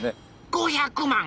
５００万！？